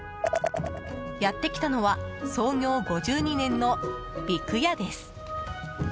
やってきたのは創業５２年の魚籠屋です。